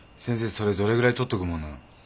それどれぐらいとっとくもんなの？